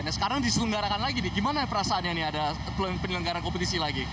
nah sekarang diselenggarakan lagi nih gimana perasaannya nih ada penyelenggaran kompetisi lagi